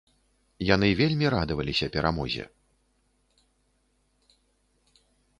Яны вельмі радаваліся перамозе.